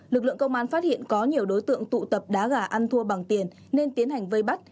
lực lượng công an phát hiện có nhiều đối tượng tụ tập đá gà ăn thua bằng tiền nên tiến hành vây bắt